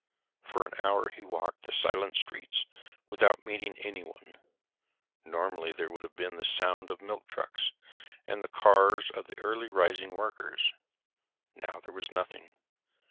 For an hour he walked the silent streets without meeting anyone. Normally, there would have been the sound of milk trucks, and the cars of early rising workers. Now there was nothing.